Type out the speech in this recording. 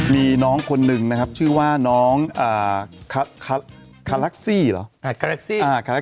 มีน้องคนนึงนะครับชื่อว่าน้องเอ่อฮ่าฮ่า